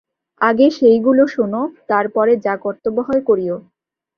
আগে সেইগুলো শোনো, তার পরে যা কর্তব্য হয় করিয়ো।